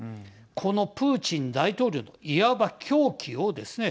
このプーチン大統領のいわば狂気をですね